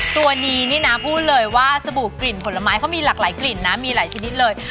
ตัวนี้นี่นะพูดเลยว่าสบู่กลิ่นผลไม้เขามีหลากหลายกลิ่นนะมีหลายชนิดเลย